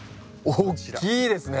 おっきいですね。